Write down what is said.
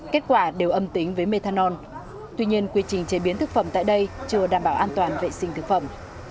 kết quả đều âm tính với methanol tuy nhiên quy trình chế biến thực phẩm tại đây chưa đảm bảo an toàn vệ sinh thực phẩm